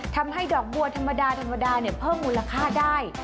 ทำให้ดอกบัวธรรมดาธรรมดาเพิ่มมูลค่าได้